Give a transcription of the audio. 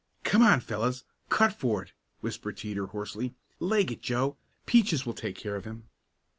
"Come on, fellows, cut for it!" whispered Teeter hoarsely. "Leg it, Joe. Peaches will take care of him."